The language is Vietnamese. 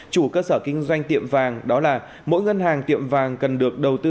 chủ cơ sở kinh doanh tiệm vàng đó là mỗi ngân hàng tiệm vàng cần được đầu tư